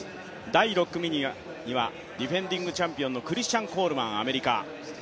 第６組には、ディフェンディングチャンピオンのクリスチャン・コールマンアメリカ。